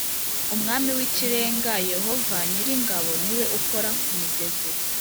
Umwami w Ikirenga Yehova nyir ingabo ni we ukora kumigezi